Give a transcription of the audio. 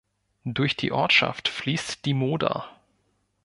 Durch die Ortschaft fließt die Moder.